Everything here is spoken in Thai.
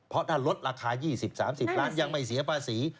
เพราะถ้าลดราคา๒๐๓๐ล้านยังไม่เสียภาษี